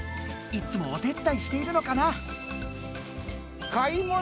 いつもおてつだいしているのかな？